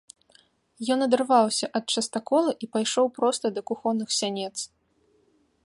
Ён адарваўся ад частакола і пайшоў проста да кухонных сянец.